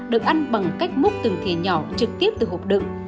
được ăn bằng cách múc từng thể nhỏ trực tiếp từ hộp đựng